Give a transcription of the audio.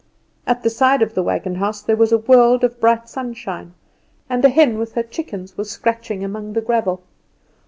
At the side of the wagon house there was a world of bright sunshine, and a hen with her chickens was scratching among the gravel.